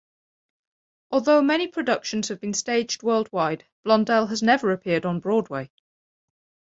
Although many productions have been staged worldwide, "Blondel" has never appeared on Broadway.